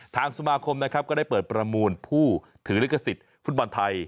ทางสมาคมนะครับก็ได้เปิดประมูลผู้ถือลิขสิทธิ์ฟุตบอลไทย